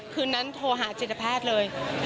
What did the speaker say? คืนนั้นโทรหาจิตแพทย์เลย